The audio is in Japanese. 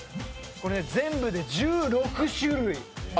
全部で１６種類。